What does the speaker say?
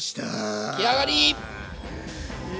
出来上がり！